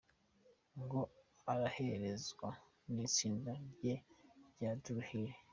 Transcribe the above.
Ngo araherekezwa n’itsinda rye rya Dru Hill.